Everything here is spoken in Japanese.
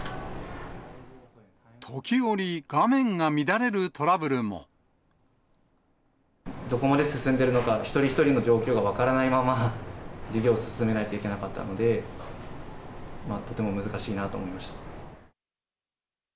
時折、画面が乱れるトラブルどこまで進んでるのか、一人一人の状況が分からないまま授業を進めなきゃいけなかったので、とても難しいなと思いました。